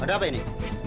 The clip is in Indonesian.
ada apa ini